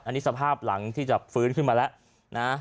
อันนี้สภาพหลังที่จะฟื้นขึ้นมาแล้วนะ